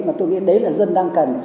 chứ không biết là dân đang cần